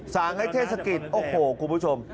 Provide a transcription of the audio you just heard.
สั่งให้เทศกิจโอ้โหคุณผู้ชม